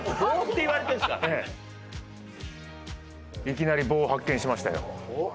いきなり棒を発見しましたよ。